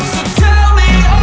aku mau ngeliatin apaan